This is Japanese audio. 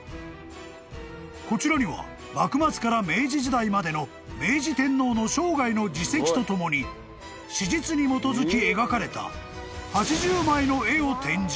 ［こちらには幕末から明治時代までの明治天皇の生涯の事績とともに史実に基づき描かれた］